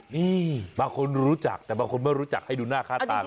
นี่บางคนรู้จักแต่บางคนไม่รู้จักให้ดูหน้าค่าตา